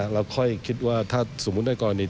แล้วค่อยคิดหากสมมติต่อก่อนอีก